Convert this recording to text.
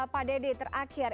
pak dede terakhir